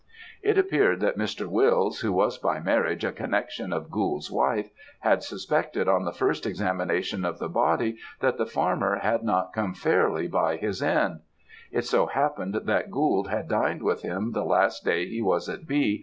"It appeared that Mr. Wills, who was by marriage a connexion of Gould's wife, had suspected on the first examination of the body that the farmer had not come fairly by his end. It so happened that Gould had dined with him the last day he was at B.